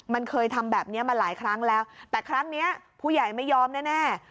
มันเคยทำแบบนี้มาหลายครั้งแล้วแต่ครั้งนี้ผู้ใหญ่ไม่ยอมแน่